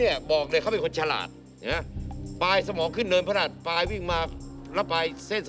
เอามือซ้ายก่อน